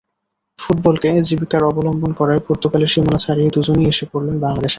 ফুটবলকে জীবিকার অবলম্বন করায় পর্তুগালের সীমানা ছাড়িয়ে দুজনই এসে পড়লেন বাংলাদেশে।